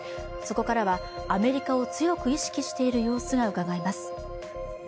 そこからはアメリカを強く意識している様子がうかがえます。